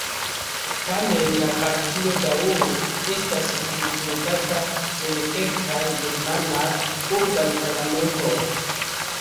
Tamen la partio daŭre estas reprezentata en kelkaj germanaj urbaj parlamentoj.